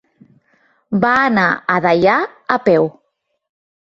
Va anar a Deià a peu.